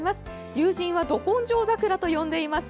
友人はど根性桜と呼んでいます。